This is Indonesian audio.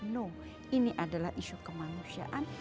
no ini adalah isu kemanusiaan